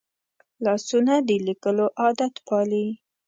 لاسونه د لیکلو عادت پالي